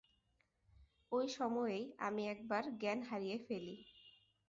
ঐসময়েই আমি একবার জ্ঞান হারিয়ে ফেলি।